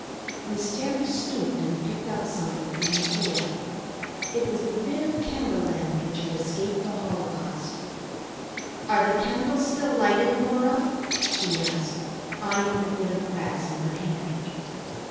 Miss Terry stooped and picked up something from the floor. It was the bit of candle end which had escaped the holocaust. "Are the candles still lighted, Norah?" she asked, eyeing the bit of wax in her hand.